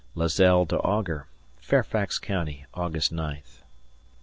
[Lazelle to Augur] Fairfax County, August 9th.